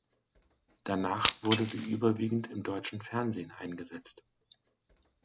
Danach wurde sie überwiegend im deutschen Fernsehen eingesetzt.